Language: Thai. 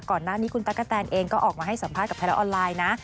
ก่อนหน้านี้คุณตั๊กกะแตนเองก็ออกมาให้สัมภาษณ์กับไทยรัฐออนไลน์นะ